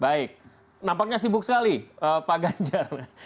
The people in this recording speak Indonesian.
baik nampaknya sibuk sekali pak ganjar